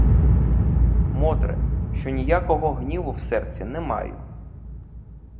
Мотре, що ніякого гніву в серці не маю.